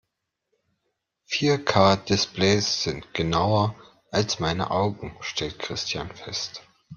Vier-K-Displays sind genauer als meine Augen, stellt Christian fest.